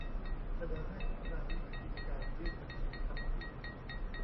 เสนอให้พัฒนาวิธีการยื่นบัญชีทรัพย์สิน